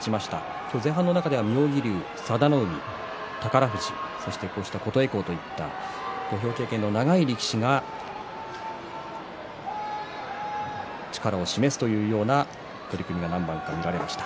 今日前半の中では妙義龍佐田の海、宝富士そして琴恵光といった土俵経験の長い力士が力を示すというような取組が何番か見られました。